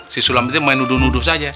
si sulam itu main nuduh nuduh saja